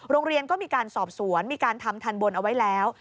โรงเรียนก็มีการสอบสวนมีการทำทันบนเอาไว้แล้ว